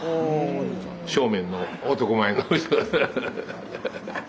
正面の男前の人。